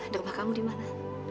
rumah kamu dimana